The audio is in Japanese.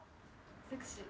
セクシー。